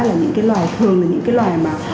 là những loài thường là những loài mà